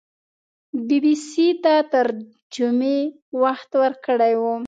بي بي سي ته تر جمعې وخت ورکړی وو